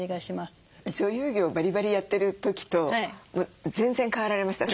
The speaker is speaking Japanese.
女優業バリバリやってる時と全然変わられました？